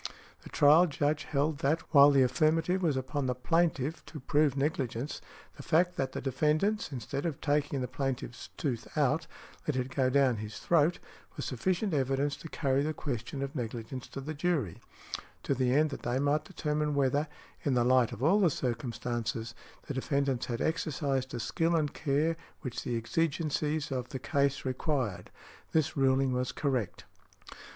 The trial Judge held that while the affirmative was upon the plaintiff to prove negligence, the fact that the defendants, instead of taking the plaintiff's tooth out, let it go down his throat, was sufficient evidence to carry the question of negligence to the jury, to the end that they might determine whether, in the light of all the circumstances, the defendants had exercised the skill and care which the exigencies of the case required. This ruling was correct" .